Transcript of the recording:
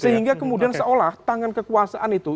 sehingga kemudian seolah tangan kekuasaan itu